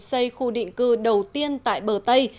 xây khu định cư đầu tiên tại bờ tây